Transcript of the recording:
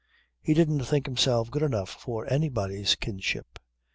He didn't think himself good enough for anybody's kinship.